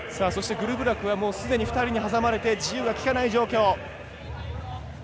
グルブラクは２人に挟まれて自由がきかない状況。